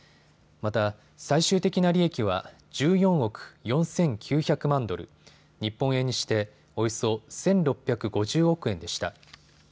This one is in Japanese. また、最終的な利益は１４億４９００万ドル、日本円にしておよそ１６５０億円でした。